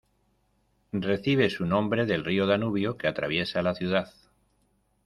Recibe su nombre del río Danubio que atraviesa la ciudad.